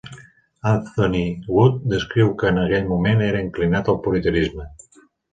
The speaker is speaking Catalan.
Anthony Wood descriu que en aquell moment era "inclinat al puritanisme".